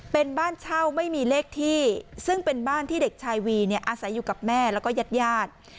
เป็นบ้านเช่าไม่มีเลขที่ซึ่งเป็นบ้านที่เด็กชายวีเนี่ยอาศัยอยู่กับแม่แล้วก็ญาติญาติ